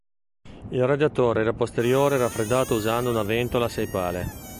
Il radiatore era posteriore e raffreddato usando una ventola a sei pale.